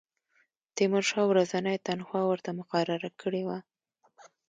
تیمورشاه ورځنۍ تنخوا ورته مقرره کړې وه.